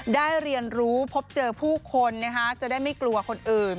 ได้เรียนรู้พบเจอผู้คนจะได้ไม่กลัวคนอื่น